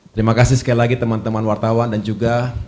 terima kasih sekali lagi teman teman wartawan dan juga